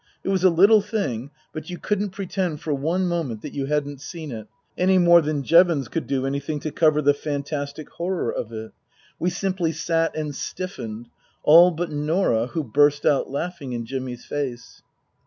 It was a little thing, but you couldn't pretend for one moment that you hadn't seen it, any more than Jevons could do anything to cover the fantastic horror of it. We simply sat and stiffened ; all but Norah, who burst out laughing in Jimmy's face.